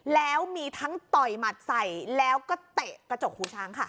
แล้วมีทั้งต่อยหมัดใส่แล้วก็เตะกระจกหูช้างค่ะ